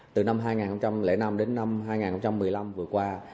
từ năm hai nghìn năm đến năm hai nghìn một mươi năm vừa qua